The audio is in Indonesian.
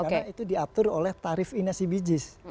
karena itu diatur oleh tarif inesibijis